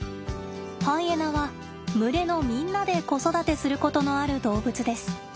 ハイエナは群れのみんなで子育てすることのある動物です。